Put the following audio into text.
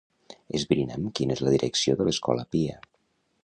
Esbrina'm quina és la direcció de l'escola Pia.